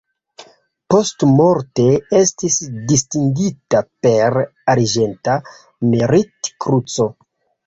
Postmorte estis distingita per Arĝenta Merit-Kruco.